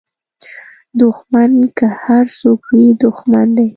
دوښمن که هر څوک وي دوښمن دی